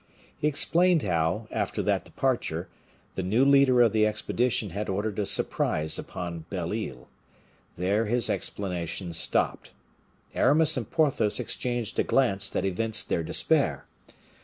He explained how, after that departure, the new leader of the expedition had ordered a surprise upon Belle Isle. There his explanations stopped. Aramis and Porthos exchanged a glance that evinced their despair.